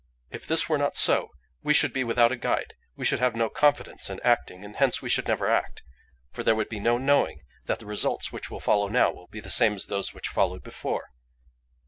If this were not so we should be without a guide; we should have no confidence in acting, and hence we should never act, for there would be no knowing that the results which will follow now will be the same as those which followed before.